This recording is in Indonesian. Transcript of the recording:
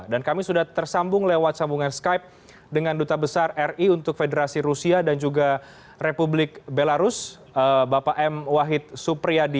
kami sudah tersambung lewat sambungan skype dengan duta besar ri untuk federasi rusia dan juga republik belarus bapak m wahid supriyadi